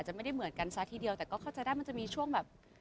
ไม่ได้เหมือนกันซะทีเดียวแต่ก็เข้าใจได้มันจะมีช่วงแบบ